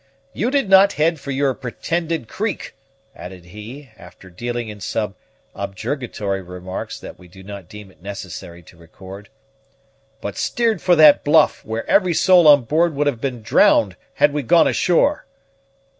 "You did not head for your pretended creek," added he, after dealing in some objurgatory remarks that we do not deem it necessary to record, "but steered for that bluff, where every soul on board would have been drowned, had we gone ashore."